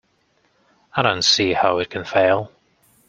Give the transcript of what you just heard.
I don't see how it can fail.